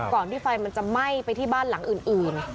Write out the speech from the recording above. ที่ไฟมันจะไหม้ไปที่บ้านหลังอื่น